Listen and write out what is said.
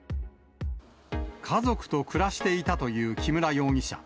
家族と暮らしていたという木村容疑者。